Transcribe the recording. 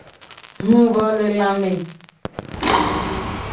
Huvolelame.